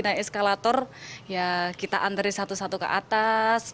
naik eskalator ya kita antari satu satu ke atas